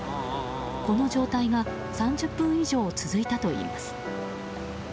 この状態が３０分以上続いたといいます。